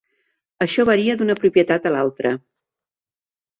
Això varia d'una propietat a l'altra.